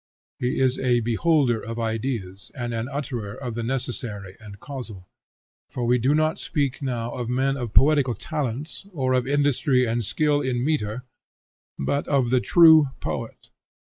He is a beholder of ideas and an utterer of the necessary and causal. For we do not speak now of men of poetical talents, or of industry and skill in metre, but of the true poet.